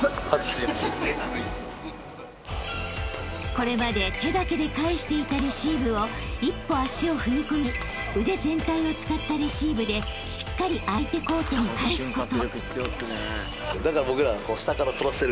［これまで手だけで返していたレシーブを一歩足を踏み込み腕全体を使ったレシーブでしっかり相手コートに返すこと］